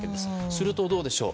すると、どうでしょう。